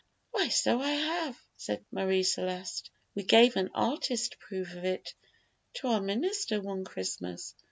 "Why, so I have," said Marie Celeste; "we gave an artist proof of it to our minister one Christmas."